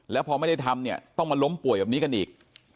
แล้วพอไม่ได้ทำเนี่ยต้องมาล้มป่วยแบบนี้กันอีก